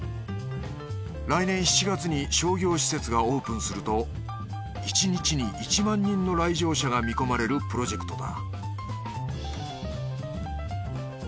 来年７月に商業施設がオープンすると１日に１万人の来場者が見込まれるプロジェクトだ